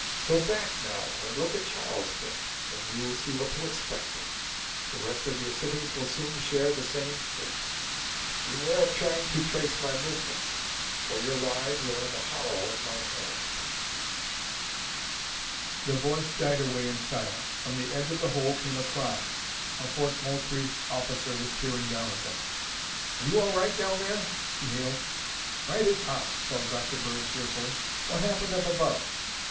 "Go back now and look at Charleston and you will see what to expect. The rest of your cities will soon share the same fate. Beware of trying to trace my movements, for your lives are in the hollow of my hand." The voice died away in silence. From the edge of the hole came a cry. A Fort Moultrie officer was peering down at them. "Are you all right down there?" he hailed. "Right as hops," called Dr. Bird cheerfully. "What happened up above?"